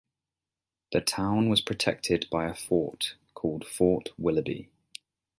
The town was protected by a fort, called Fort Willoughby.